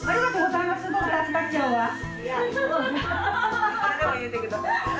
いくらでも言うてください。